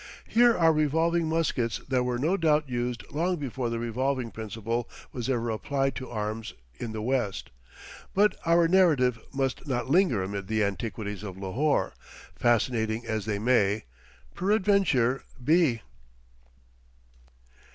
Here are revolving muskets that were no doubt used long before the revolving principle was ever applied to arms in the West. But our narrative must not linger amid the antiquities of Lahore, fascinating as they may, peradventure, be.